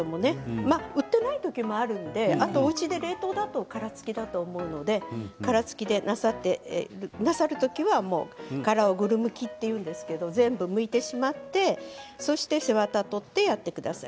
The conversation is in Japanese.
売っていないときもありますのでおうちで冷凍だと殻付きだと思いますので殻付きでなさるときには殻をぐるむきというんですけれど全部抜いて背わたを取ってやってください。